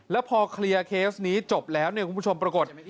แล้วพอเคลียร์เคสนี้จบแล้วเนี่ยคุณผู้ชมปรากฏ